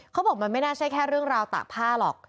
เขาบอกมันไม่น่าใช่แค่เรื่องราวตากผ้าหรอก